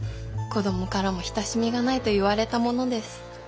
子どもからも親しみがないと言われたものです。